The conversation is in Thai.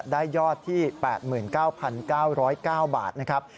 ยอดที่๘๙๙๐๙บาทนะครับ